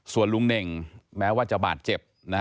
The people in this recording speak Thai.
ส่วนลุงเน่งแม้ว่าจะบาดเจ็บ